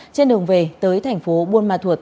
trên đường về tới thành phố buôn hoa thuột